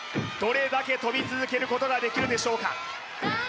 どれだけ跳び続けることができるでしょうか？